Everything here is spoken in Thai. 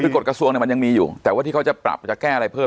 คือกฎกระทรวงมันยังมีอยู่แต่ว่าที่เขาจะปรับจะแก้อะไรเพิ่ม